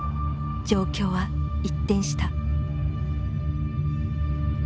状況は一転した。